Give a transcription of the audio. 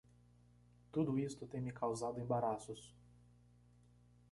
Tudo isto tem me causado embaraços